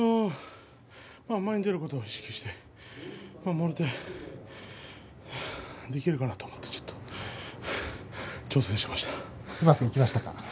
前に出ることを意識してもろ手できるかなと思ってうまくいきましたか？